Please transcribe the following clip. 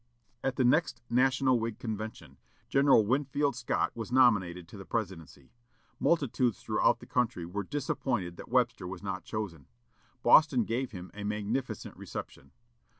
At the next national Whig convention, General Winfield Scott was nominated to the presidency. Multitudes throughout the country were disappointed that Webster was not chosen. Boston gave him a magnificent reception.